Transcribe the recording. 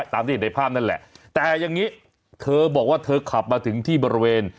ตามที่เห็นในภาพนั่นแหละแต่อย่างนี้เธอบอกว่าเธอขับมาถึงที่บริเวณ